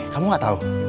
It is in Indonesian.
kamu gak tau